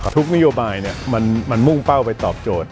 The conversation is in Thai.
ทุกนโยบายมันมุ่งเป้าไปตอบโจทย